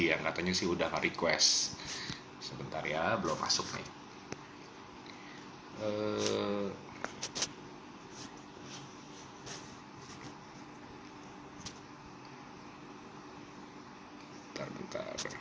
yang katanya sih udah nge request sebentar ya belum masuk nih